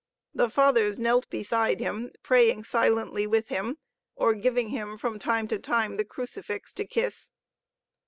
The Fathers knelt beside him, praying silently with him, or giving him from time to time the crucifix to kiss.